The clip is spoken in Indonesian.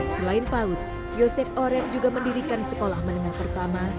selain paut yosep oren juga mendirikan sekolah menengah pertama